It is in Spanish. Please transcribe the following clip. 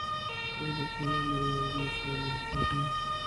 Solo en Varsovia morían diez alemanes por día.